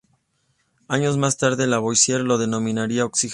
Años más tarde Lavoisier lo denominaría "oxígeno".